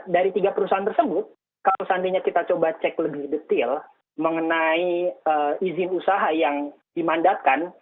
dari tiga perusahaan tersebut kalau seandainya kita coba cek lebih detail mengenai izin usaha yang dimandatkan